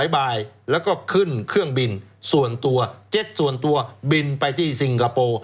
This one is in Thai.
บ่ายแล้วก็ขึ้นเครื่องบินส่วนตัวเจ็ตส่วนตัวบินไปที่สิงคโปร์